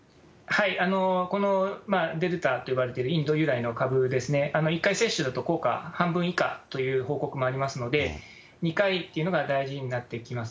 このデルタと呼ばれてるインド由来の株ですね、１回接種だと、効果は半分以下という報告もありますので、２回っていうのが大事になってきます。